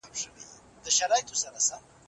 په لومړۍ تجربه کې دوه کسان ګډون درلود.